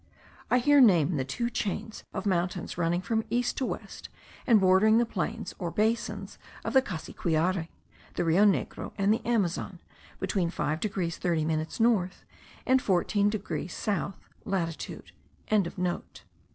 I here name the two chains of mountains running from east to west, and bordering the plains or basins of the Cassiquiare, the Rio Negro, and the Amazon, between 5 degrees 30 minutes north, and 14 degrees south latitude.)